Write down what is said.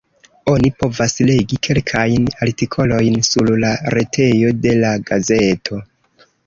Oni povas legi kelkajn artikolojn sur la retejo de la gazeto.